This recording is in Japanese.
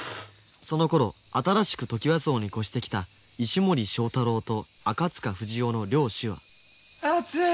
そのころ新しくトキワ荘に越してきた石森章太郎と赤塚不二夫の両氏は暑い！